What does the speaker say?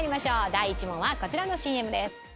第１問はこちらのＣＭです。